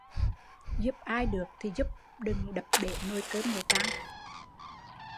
Giúp ai được thì giúp, đừng đập bể nồi cơm người ta